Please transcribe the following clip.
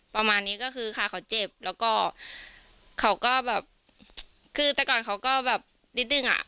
ประมาณนี้ก็คือค่ะเขาเจ็บแล้วก็เขาก็แบบคือแต่ก่อนเขาก็แบบนิดนึงอ่ะ